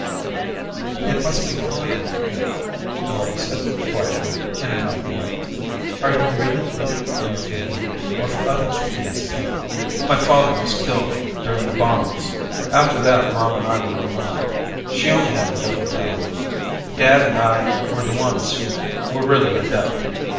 "It must be hard on you," Marty said quietly, in a knowing way. "Are you really looking for your family, or for others with ESP?" "My father was killed during the bombings. After that, Mom and I were alone. She only had a little talent; Dad and I were the ones who were really adept.